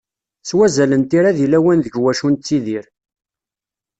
S wazal n tira deg lawan deg wacu nettidir.